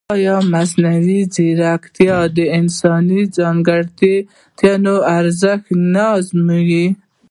ایا مصنوعي ځیرکتیا د انساني ځانګړتیاوو ارزښت نه ازموي؟